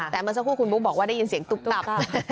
แต่เมื่อสักครู่คุณบุ๊กบอกว่าได้ยินเสียงตุ๊กกลับ